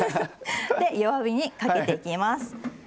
弱火にかけていきます。